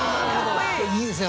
いいですね